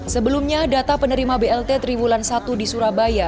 sebelumnya data penerima blt triwulan satu di surabaya